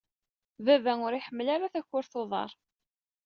Baba ur iḥemmel takurt n uḍar.